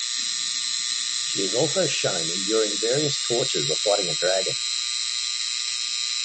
She is also shown enduring various tortures or fighting a dragon.